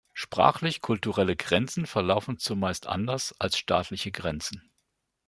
Sprachlich-kulturelle Grenzen verlaufen zumeist anders als staatliche Grenzen.